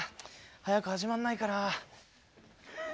早く始まんないかな。